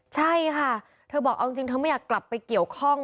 ใช่ค่ะเธอบอกเอาจริงเธอไม่อยากกลับไปเกี่ยวข้อง